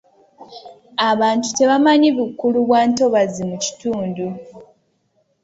Abantu tebamanyi bukulu bwa ntobazi mu kitundu.